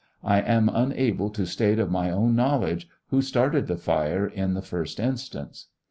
I am unable to state of my own knowledge who started the fire in the first instance.